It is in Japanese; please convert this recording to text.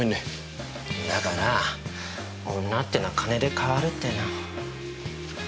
だから女ってのは金で変わるっての。